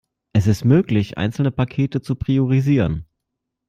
Es ist möglich, einzelne Pakete zu priorisieren.